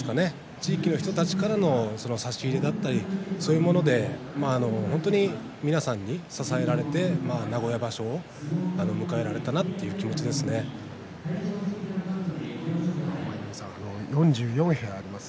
地域の人たちから差し入れだったりそういうもので本当に皆さんに支えられて名古屋場所を舞の海さん４４部屋あります。